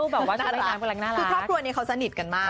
เพราะครอบครัวนี้เขาสนิทกันมาก